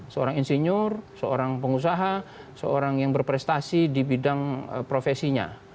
seorang insinyur seorang pengusaha seorang yang berprestasi di bidang profesinya